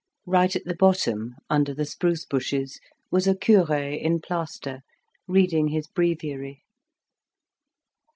Right at the bottom, under the spruce bushes, was a cure in plaster reading his breviary.